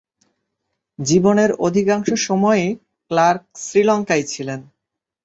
জীবনের অধিকাংশ সময়ই ক্লার্ক শ্রীলঙ্কায় ছিলেন।